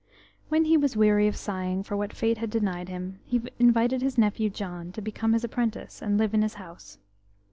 When he was weary of sighing for what Fate had denied him, he invited his nephew, John, to become his apprentice, and live in his house.